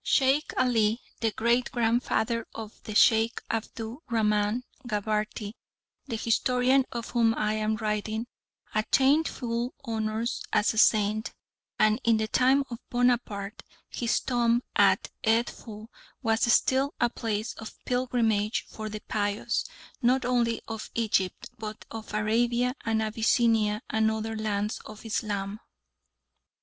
Sheikh Ali, the great grandfather of the Sheikh Abdu Rahman Gabarty the historian of whom I am writing attained full honours as a saint, and in the time of Bonaparte his tomb at Edfoo was still a place of pilgrimage for the pious, not only of Egypt, but of Arabia and Abyssinia and other lands of Islam.